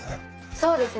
そうですね。